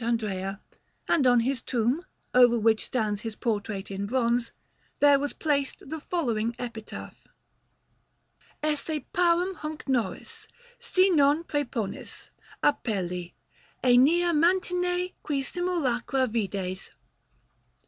Andrea; and on his tomb, over which stands his portrait in bronze, there was placed the following epitaph: ESSE PAREM HUNC NORIS, SI NON PRÆPONIS, APELLI; ÆNEA MANTINEÆ QUI SIMULACRA VIDES.